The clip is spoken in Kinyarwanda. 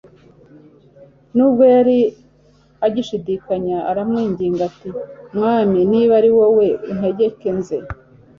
nubwo yari agishidikanya aramwinginga ati: "Mwami niba ari wowe untegeke nze